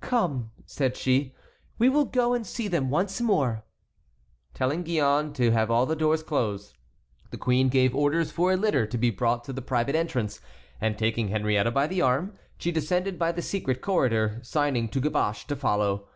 "Come," said she, "we will go and see them once more." Telling Gillonne to have all the doors closed, the queen gave orders for a litter to be brought to the private entrance, and taking Henriette by the arm, she descended by the secret corridor, signing to Caboche to follow.